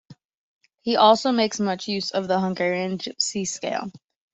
He also makes much use of the Hungarian gypsy scale.